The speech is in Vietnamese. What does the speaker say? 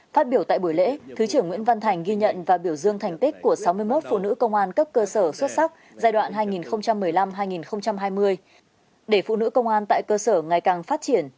phát biểu tại buổi lễ thứ trưởng nguyễn văn thành ghi nhận và biểu dương thành tích của sáu mươi một phụ nữ công an cấp cơ sở xuất sắc giai đoạn hai nghìn một mươi năm hai nghìn hai mươi để phụ nữ công an tại cơ sở ngày càng phát triển